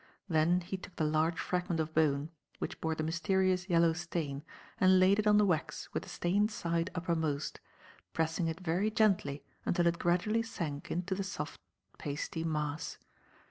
Then he took the large fragment of bone, which bore the mysterious yellow stain, and laid it on the wax with the stained side uppermost, pressing it very gently until it gradually sank into the soft, pasty mass.